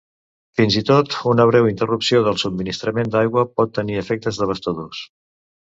Fins i tot una breu interrupció del subministrament d'aigua pot tenir efectes devastadors.